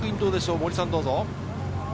森さん、どうぞ。